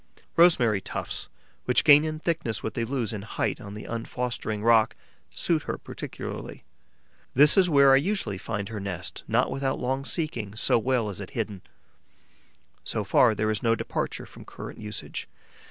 Rosemary tufts, which gain in thickness what they lose in height on the unfostering rock, suit her particularly. This is where I usually find her nest, not without long seeking, so well is it hidden. So far, there is no departure from current usage.